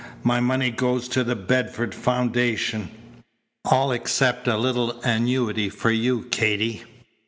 My money goes to the Bedford Foundation all except a little annuity for you, Katy.